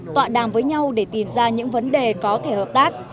tọa đàm với nhau để tìm ra những vấn đề có thể hợp tác